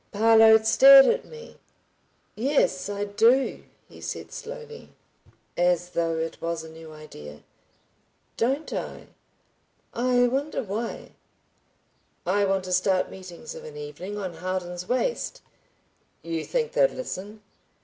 Parload stared at me. "Yes, I do," he said slowly, as though it was a new idea. "Don't I? ... I wonder why." "I want to start meetings of an evening on Howden's Waste." "You think they'd listen?"